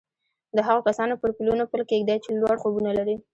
د هغو کسانو پر پلونو پل کېږدئ چې لوړ خوبونه لري